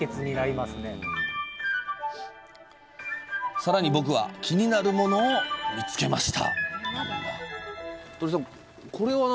さらに僕は気になるものを見つけました！